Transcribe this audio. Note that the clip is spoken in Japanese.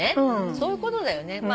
そういうことだよね。